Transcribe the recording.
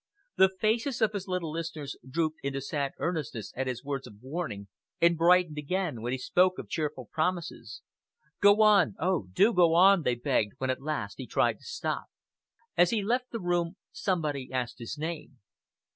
The faces of his little listeners drooped into sad earnestness at his words of warning, and brightened again when he spoke of cheerful promises. "Go on! Oh, do go on!" they begged when at last he tried to stop. As he left the room somebody asked his name.